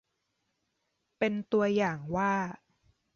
เป็นตัวอย่างว่า